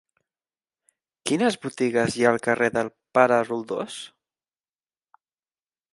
Quines botigues hi ha al carrer del Pare Roldós?